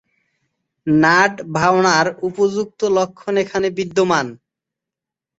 নাট-ভাওনার উপযুক্ত লক্ষণ এখানে বিদ্যমান।